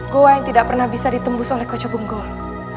gua yang tidak pernah bisa ditembus oleh kocobonggol